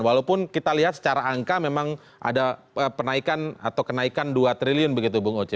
walaupun kita lihat secara angka memang ada penaikan atau kenaikan dua triliun begitu bung oce